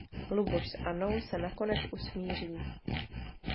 Luboš s Annou se nakonec usmíří.